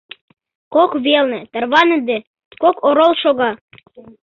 Кок велне, тарваныде, кок орол шога.